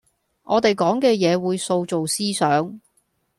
我地講嘅嘢會塑造思想